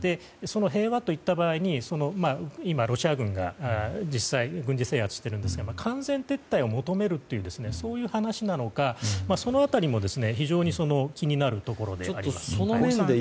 その平和といった場合にロシア軍が実際に軍事制圧しているんですが完全撤退を求めるというそういう話なのか、その辺りも非常に気になるところであります。